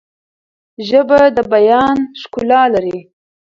ژبه د بیان ښکلا لري.